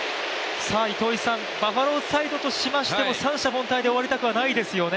バファローズサイドとしましても、三者凡退で終わらせたくないですよね。